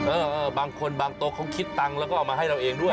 เออบางคนบางโต๊ะเขาคิดตังค์แล้วก็เอามาให้เราเองด้วย